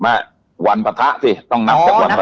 วันปะทะสิต้องนับจากวันพระ